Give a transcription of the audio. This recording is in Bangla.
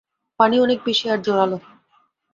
পানি অনেক বেশি আর জোরালো।